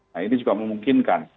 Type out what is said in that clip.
nah ini juga memungkinkan